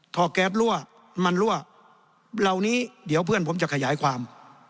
แก๊สรั่วมันรั่วเหล่านี้เดี๋ยวเพื่อนผมจะขยายความ